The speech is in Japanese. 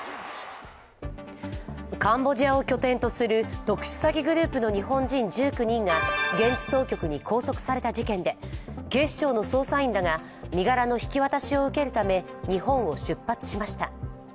カンボジアを拠点とする特殊詐欺グループの日本人１９人が現地当局に拘束された事件で、警視庁の捜査員らが身柄の引き渡しを受けるため日本を出発しました。